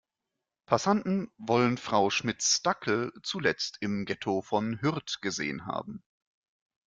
Passanten wollen Frau Schmitz' Dackel zuletzt im Ghetto von Hürth gesehen haben.